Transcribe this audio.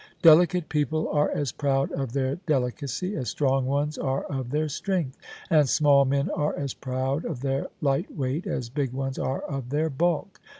Delicate people are as proud of their delicacy as strong ones are of their strength : and small men are as proud of their light weight as big ones are of their bulk.